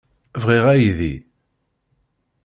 Bɣiɣ aydi.